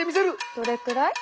どれくらい？